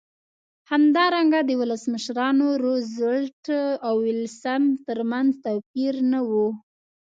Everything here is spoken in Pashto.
همدارنګه د ولسمشرانو روزولټ او ویلسن ترمنځ توپیر نه و.